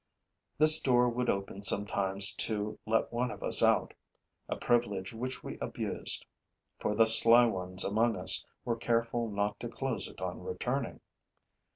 This door would open sometimes to let one of us out, a privilege which we abused, for the sly ones among us were careful not to close it on returning.